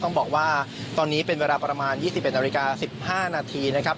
ต้องบอกว่าตอนนี้เป็นเวลาประมาณ๒๑นาฬิกา๑๕นาทีนะครับ